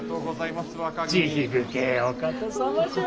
慈悲深えお方様じゃ。